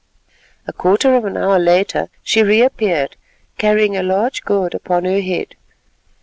A quarter of an hour later she reappeared carrying a large gourd upon her head.